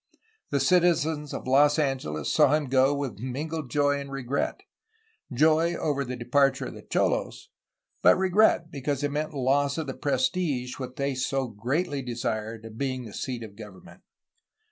The citizens of Los Angeles saw hun go with mingled joy and regret, — ^joy over the de parture of the cholosy but regret because it meant loss of the prestige, which they so greatly desired, of being the seat of government.